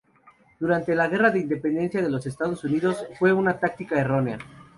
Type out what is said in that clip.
Durante la guerra de independencia de los Estados Unidos, fue una táctica errónea.